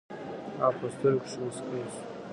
او پۀ سترګو کښې مسکے شو